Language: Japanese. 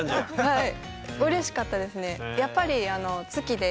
はい。